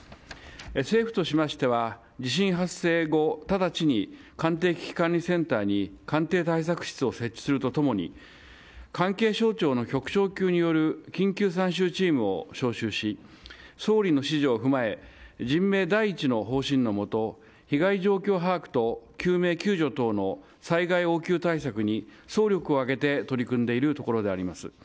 政府としましては地震発生後、直ちに官邸危機管理センターに官邸対策室を設置するとともに関係省庁の局長級による緊急参集チームを招集し総理の指示を踏まえ人命第一の方針のもと被害状況把握と救命救助等の災害応急対策に総力を挙げて取り組んでいるところであります。